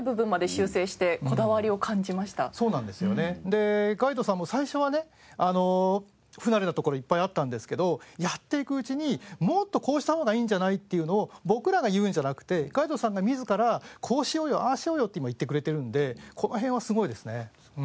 でガイドさんも最初はね不慣れなところいっぱいあったんですけどやっていくうちに「もっとこうした方がいいんじゃない？」っていうのを僕らが言うんじゃなくてガイドさんが自ら「こうしようよああしようよ」って今言ってくれてるんでこの辺はすごいですね。